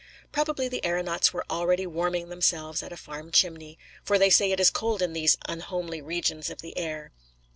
Probably the aeronauts were already warming themselves at a farm chimney, for they say it is cold in these unhomely regions of the air.